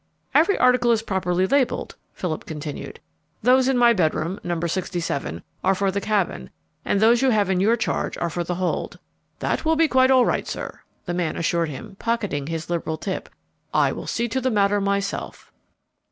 "Every article is properly labelled," Philip continued. "Those in my bedroom number sixty seven are for the cabin, and those you have in your charge are for the hold." "That will be quite all right, sir," the man assured him pocketing his liberal tip. "I will see to the matter myself."